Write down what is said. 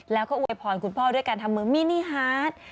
แล้วก็อวยพรคุณพ่อด้วยการทำมือมินิฮาร์ด